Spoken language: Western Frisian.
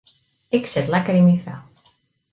Ik sit lekker yn myn fel.